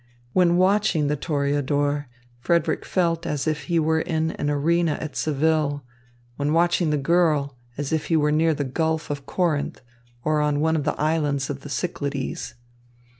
When watching the toreador, Frederick felt as if he were in an arena at Seville; when watching the girl, as if he were near the Gulf of Corinth, or on one of the islands of the Cyclades.